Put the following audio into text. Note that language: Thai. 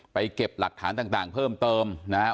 เก็บหลักฐานต่างเพิ่มเติมนะครับ